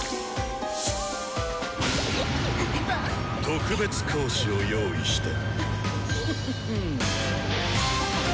特別講師を用意した。